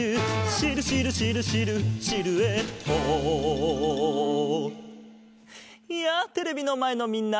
「シルシルシルシルシルエット」やあテレビのまえのみんな！